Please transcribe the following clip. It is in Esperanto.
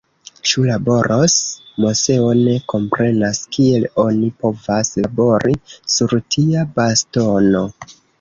Ĉu laboros? Moseo ne komprenas kiel oni povas "labori" sur tia bastono.